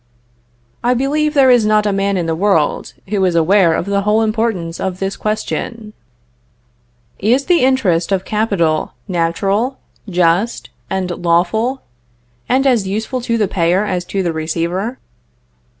I believe there is not a man in the world, who is aware of the whole importance of this question: "Is the interest of capital natural, just, and lawful, and as useful to the payer as to the receiver?"